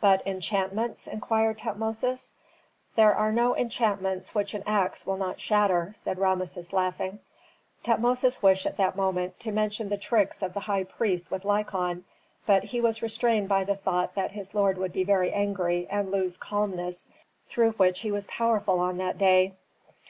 "But enchantments?" inquired Tutmosis. "There are no enchantments which an axe will not shatter," said Rameses, laughing. Tutmosis wished at that moment to mention the tricks of the high priests with Lykon, but he was restrained by the thought that his lord would be very angry and lose calmness, through which he was powerful on that day.